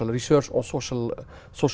nghiên cứu xã hội